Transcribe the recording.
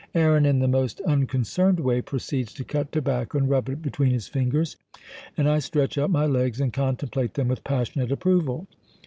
Aaron, in the most unconcerned way, proceeds to cut tobacco and rub it between his fingers, and I stretch out my legs and contemplate them with passionate approval.